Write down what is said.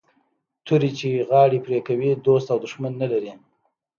توري چي غاړي پرې کوي دوست او دښمن نه لري